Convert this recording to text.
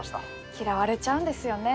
嫌われちゃうんですよね。